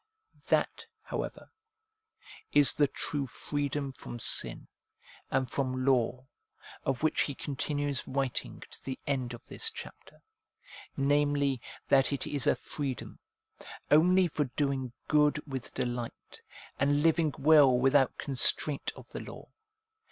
342 APPENDIX That, however, is the true freedom from sin and from law, of which he continues writing to the end of this chapter, namely, that it is a freedom, only for doing good with delight, and living well without constraint of the law.